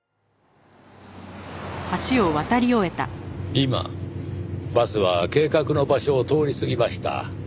今バスは計画の場所を通り過ぎました。